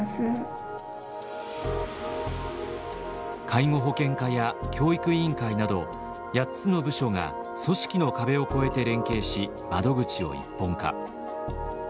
介護保険課や教育委員会など８つの部署が組織の壁を越えて連携し窓口を一本化。